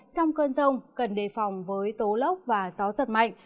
trong cơn rông cần đề phòng với tố lốc và gió giật mạnh